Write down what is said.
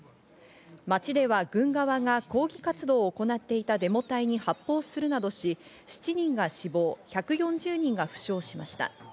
街では軍側が抗議活動を行っていたデモ隊に発砲するなどし、７人が死亡、１４０人が負傷しました。